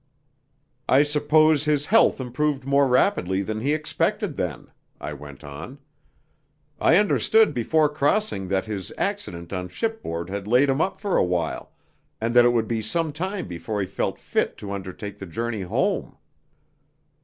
"I suppose his health improved more rapidly than he expected, then," I went on. "I understood before crossing that his accident on shipboard had laid him up for awhile, and that it would be some time before he felt fit to undertake the journey home."